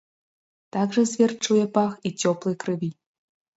Так жа звер чуе пах і цёплай крыві.